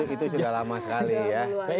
itu sudah lama sekali ya